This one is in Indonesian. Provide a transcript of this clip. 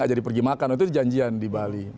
pergi makan itu janjian di bali